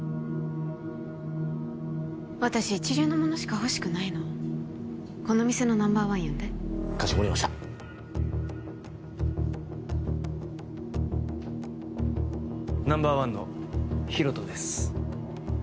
私一流のものしか欲しくないのこの店のナンバーワン呼んでかしこまりましたナンバーワンのヒロトです